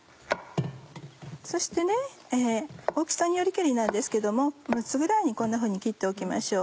そしてね大きさによりけりなんですけども６つぐらいにこんなふうに切っておきましょう。